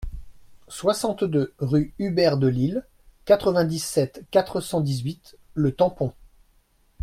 soixante-deux rue Hubert Delisle, quatre-vingt-dix-sept, quatre cent dix-huit, Le Tampon